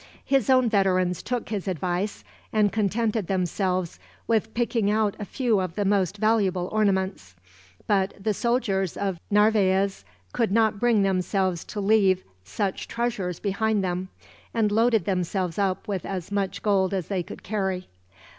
'" His own veterans took his advice, and contented themselves with picking out a few of the most valuable ornaments; but the soldiers of Narvaez could not bring themselves to leave such treasures behind them, and loaded themselves up with as much gold as they could carry.